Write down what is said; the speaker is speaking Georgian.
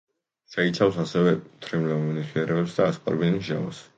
შეიცავს აგრეთვე მთრიმლავ ნივთიერებებს და ასკორბინის მჟავას.